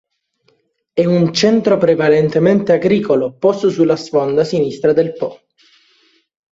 È un centro prevalentemente agricolo posto sulla sponda sinistra del Po.